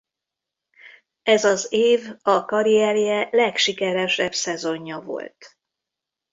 Ez az év a karrierje legsikeresebb szezonja volt.